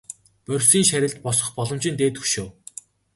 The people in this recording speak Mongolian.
Борисын шарилд босгох боломжийн дээд хөшөө.